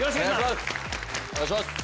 お願いします。